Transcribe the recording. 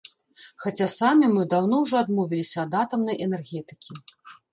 Хаця самі мы даўно ўжо адмовіліся ад атамнай энергетыкі.